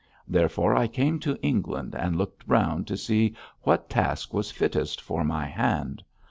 Therefore, I came to England and looked round to see what task was fittest for my hand.